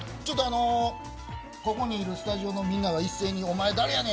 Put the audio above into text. ここにいるスタジオのみんなが一斉にお前、誰やねん！